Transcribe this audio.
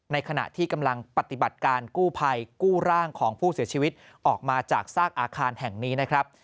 ขณะที่กำลังปฏิบัติการกู้ภัยกู้ร่างของผู้เสียชีวิตออกมาจากซากอาคารแห่งนี้นะครับ